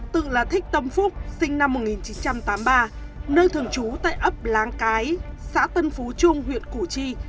tự là thích tâm phúc sinh năm một nghìn chín trăm tám mươi ba nơi thường trú tại ấp láng cái xã tân phú trung huyện củ chi